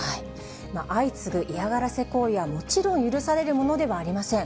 相次ぐ嫌がらせ行為はもちろん許されるものではありません。